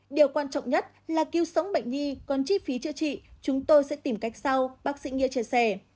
điều quan trọng nhất là cứu sống bệnh nhi còn chi phí chữa trị chúng tôi sẽ tìm cách sau bác sĩ nghĩa chia sẻ